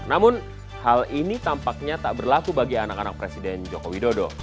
namun hal ini tampaknya tak berlaku bagi anak anak presiden joko widodo